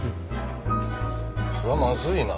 それはまずいな。